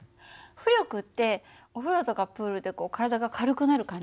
浮力ってお風呂とかプールで体が軽くなる感じ？